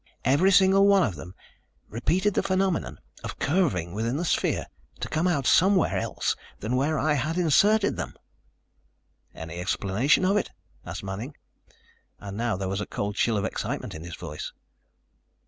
Every single one of them repeated the phenomenon of curving within the sphere to come out somewhere else than where I had inserted them." "Any explanation of it?" asked Manning, and now there was a cold chill of excitement in his voice.